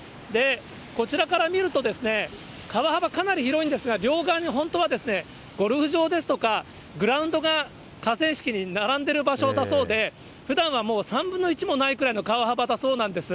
こちらから見ると、川幅、かなり広いんですが、両側に本当はゴルフ場ですとか、グラウンドが河川敷に並んでる場所だそうで、ふだんはもう３分の１もないぐらいの川幅だそうなんです。